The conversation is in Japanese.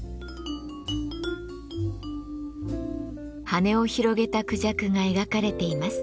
羽を広げたクジャクが描かれています。